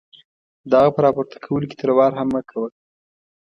د هغه په را پورته کولو کې تلوار هم مه کوه.